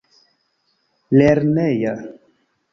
lerneja